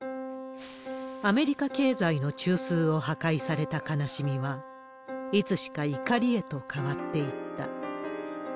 アメリカ経済の中枢を破壊された悲しみは、いつしか怒りへと変わっていった。